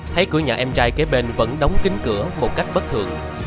thấy cửa nhà em trai kế bên vẫn đóng kính cửa một cách bất thường